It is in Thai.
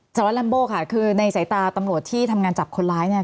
สารวัตรลัมโบค่ะคือในสายตาตำรวจที่ทำงานจับคนร้ายเนี่ย